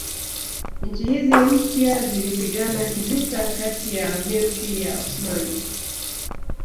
Nchi hizi mpya zilipigana kivita kati yao na Milki ya Osmani